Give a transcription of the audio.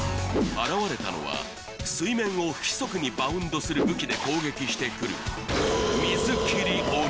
現れたのは水面を不規則にバウンドする武器で攻撃してくる